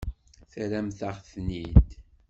Terramt-aɣ-ten-id?